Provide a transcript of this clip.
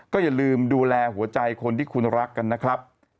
ก็อย่าลืมดูแลหัวใจคนที่คุณรักกันนะครับ